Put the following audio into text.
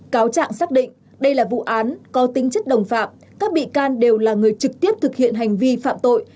cáo trạng xác định đây là vụ án có tính chất đồng phạm các bị can đều là người trực tiếp thực hiện hành vi phạm tội